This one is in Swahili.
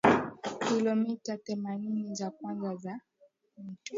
Kilomita themanini za kwanza za mto